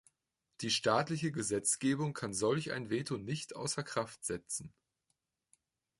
Die staatliche Gesetzgebung kann solch ein Veto nicht außer Kraft setzen.